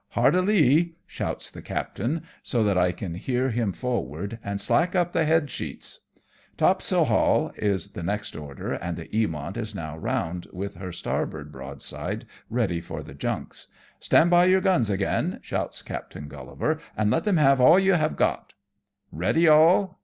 " Hard a lee," shouts the captain, so that I can hear him forward, " and slack up the head sheets." " Topsail haul," is the next order, and the Eamont is now round, with her starboard broadside ready for the junks. " Stand by your guns again," shouts Captain Gulliyar, "and let them have all you have got." " Ready, all